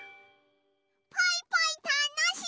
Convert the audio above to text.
ポイポイたのしい！